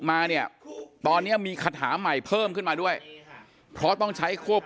มาเนี่ยตอนนี้มีคาถาใหม่เพิ่มขึ้นมาด้วยเพราะต้องใช้ควบ